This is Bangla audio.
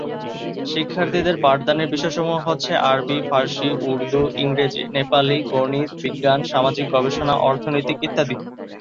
শিক্ষার্থীদের পাঠদানের বিষয়সমূহ হচ্ছে: আরবি, ফার্সি, উর্দু, ইংরেজি, নেপালি, গণিত, বিজ্ঞান, সামাজিক গবেষণা, অর্থনৈতিক ইত্যাদি।